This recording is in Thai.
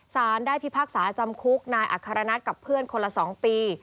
สารได้พิพากษาจำคุกนายอัครนัทกับเพื่อนคนละ๒ปี